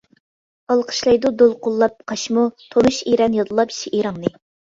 ئالقىشلايدۇ دولقۇنلاپ قاشمۇ، تونۇش ئېرەن يادلاپ شېئىرىڭنى.